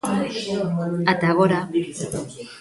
Ata agora.